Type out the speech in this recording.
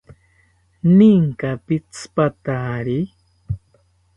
Ninka pitzipatari?